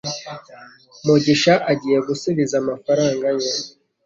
mugisha agiye gusubiza amafaranga ye?